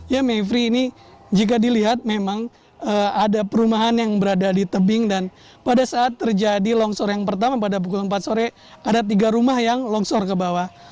ya mevri ini jika dilihat memang ada perumahan yang berada di tebing dan pada saat terjadi longsor yang pertama pada pukul empat sore ada tiga rumah yang longsor ke bawah